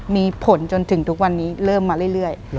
มีผลจนถึงทุกวันนี้เริ่มมาเรื่อย